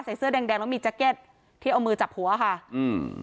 เสื้อแดงแดงแล้วมีแจ็คเก็ตที่เอามือจับหัวค่ะอืม